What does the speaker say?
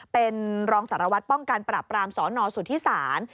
เป็นรองสารวัตรป้องกันปรับปรามสนสุธิศาล